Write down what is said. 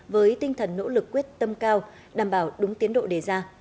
với tinh thần nỗ lực quyết tâm cao đảm bảo đúng tiến độ đề ra